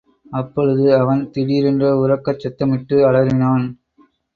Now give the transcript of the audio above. அப்பொழுது அவன் திடீரென்று உரக்கச் சத்தமிட்டு அலறினான்.